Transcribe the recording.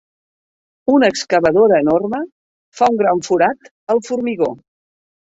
Una excavadora enorme fa un gran forat al formigó.